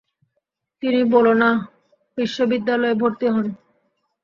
তিনি বোলোনা বিশ্ববিদ্যালয়ে ভর্তি হন।